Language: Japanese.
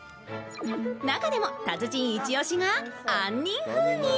中でも達人一押しが杏仁風味。